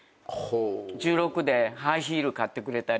１６でハイヒール買ってくれたり。